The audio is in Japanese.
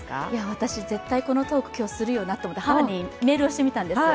私、絶対このトーク今日するよなと思って母にメールをしてみたんです。